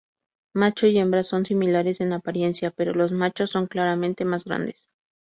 Macho y hembra son similares en apariencia, pero los machos son claramente más grandes.